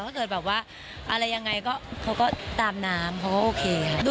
เกิดแบบว่าอะไรยังไงก็เขาก็ตามน้ำเขาก็โอเคค่ะ